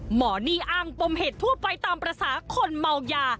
หมอนี่อ้างปมเหตุทั่วไปตามภาษาคนเมายา